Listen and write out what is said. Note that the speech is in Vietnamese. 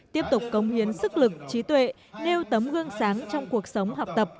tiếp tục công hiến sức lực trí tuệ nêu tấm gương sáng trong cuộc sống học tập